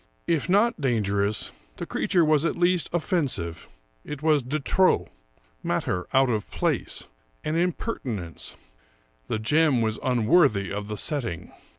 If not dangerous, the creature was at least offensive. It was de trop —" matter out of place "— an impertinence. The gem was unworthy of the setting.